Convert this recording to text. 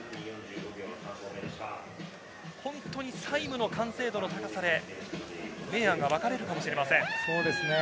本当に細部の完成度の高さで明暗が分かれるかもしれません。